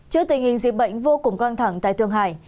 trước tình hình dịch bệnh vô cùng căng thẳng tại thượng hải